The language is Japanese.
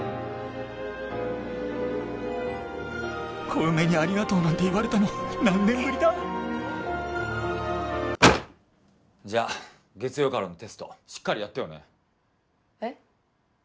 小梅にありがとうなんて言われたの何年ぶりだじゃ月曜からのテストしっかりやってよねえっ？